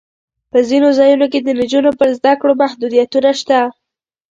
په ځینو ځایونو کې د نجونو پر زده کړو محدودیتونه شته.